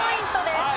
はい。